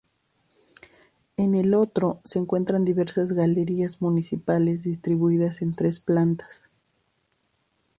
En el otro se encuentran diversas galerías municipales distribuidas en tres plantas.